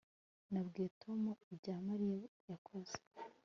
Nabwiye Tom ibyo Mariya yakoze